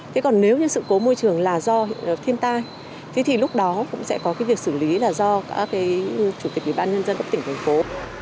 thế còn nếu như sự cố môi trường là do thiên tai thì lúc đó cũng sẽ có việc xử lý là do chủ tịch ubnd của tỉnh thành phố